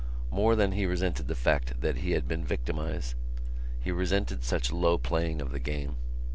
More than he resented the fact that he had been victimised he resented such low playing of the game.